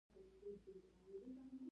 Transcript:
سبا کیږي